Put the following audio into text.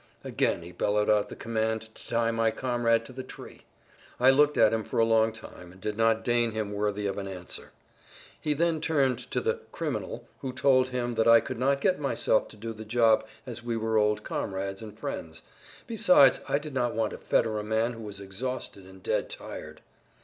Again he bellowed out the command to tie my comrade to the tree. I looked at him for a long time and did not deign him worthy of an answer. He then turned to the "criminal" who told him that I could not get myself to do the job as we were old comrades and friends. Besides, I did not want to fetter a man who was exhausted and dead tired.